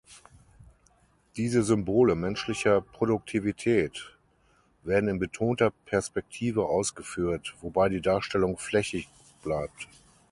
Diese Symbole menschlicher Produktivität werden in betonter Perspektive ausgeführt, wobei die Darstellung flächig bleibt.